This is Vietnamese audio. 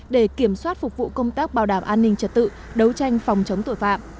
để kiểm soát phục vụ công tác bảo đảm an ninh trật tự đấu tranh phòng chống tội phạm